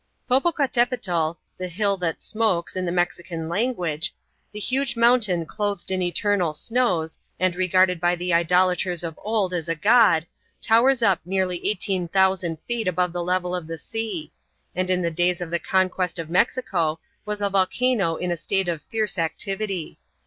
Popocatapetl, the hill that smokes, in the Mexican language, the huge mountain clothed in eternal snows, and regarded by the idolaters of old as a god, towers up nearly 18,000 feet above the level of the sea, and in the days of the conquest of Mexico was a volcano in a state of fierce activity.